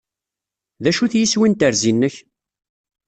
D acu-t yeswi n terzi-nnek?